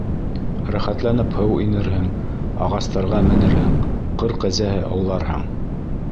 Рәхәтләнеп һыу инерһең, ағастарға менерһең, ҡыр кәзәһе ауларһың.